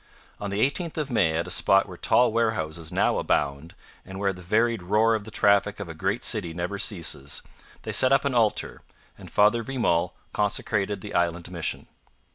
On the 18th of May, at a spot where tall warehouses now abound and where the varied roar of the traffic of a great city never ceases, they set up an altar, and Father Vimont consecrated the island mission.